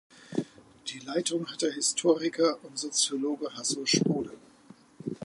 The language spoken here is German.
Die Leitung hat der Historiker und Soziologe Hasso Spode.